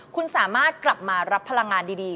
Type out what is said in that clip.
คุณสามารถกลับมารับพลังงานดี